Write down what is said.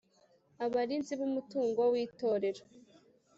Abarinzi b Umutungo w Itorero